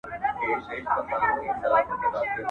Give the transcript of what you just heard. زما په مینه کي دا ټول جهان سوځیږي.